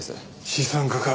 資産家か。